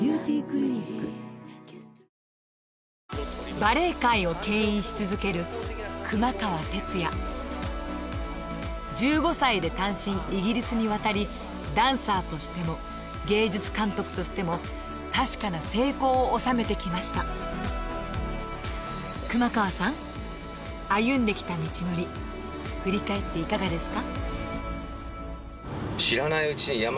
バレエ界を牽引し続ける熊川哲也１５歳で単身イギリスに渡りダンサーとしても芸術監督としても確かな成功を収めてきました熊川さん歩んできた道のり振り返っていかがですか？